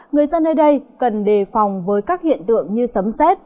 người dân nơi đây cần đề phòng với các hiện tượng như sấm xét